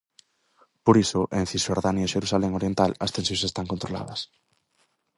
Por iso, en Cisxordania e Xerusalén oriental as tensións están controladas.